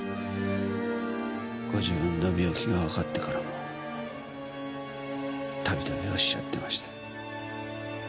ご自分の病気がわかってからもたびたびおっしゃってました。